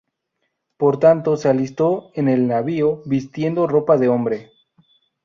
Por tanto se alistó en el navío vistiendo ropa de hombre.